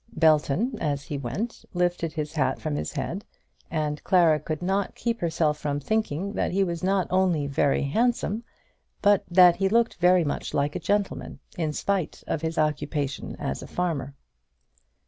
Belton, as he went, lifted his hat from his head, and Clara could not keep herself from thinking that he was not only very handsome, but that he looked very much like a gentleman, in spite of his occupation as a farmer.